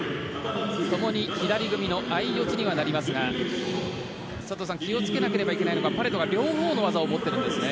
ともに左組みの相四つにはなりますが佐藤さん、気をつけなければいけないのはパレトが両方の技を持ってるんですね。